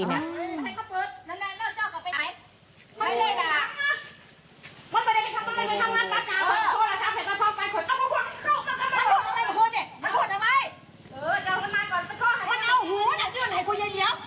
ปล่อยชั่งมันด้วย